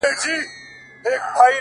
زه نه كړم گيله اشــــــــــــنا ـ